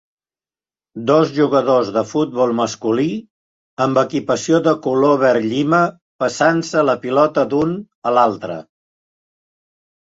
Dos jugadors de futbol masculí amb equipació de color verd llima passant-se la pilota d'un a l'altre.